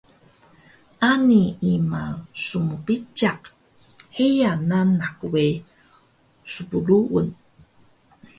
Ani ima smbiciq heya nanak we spruun